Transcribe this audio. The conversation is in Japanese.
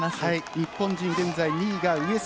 日本人現在２位が上杉